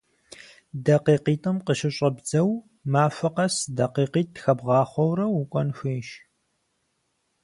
ДакъикъитӀым къыщыщӀэбдзэу, махуэ къэс дакъикъитӀ хэбгъахъуэурэ укӀуэн хуейщ.